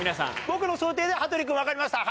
僕の想定では「羽鳥君分かりました？」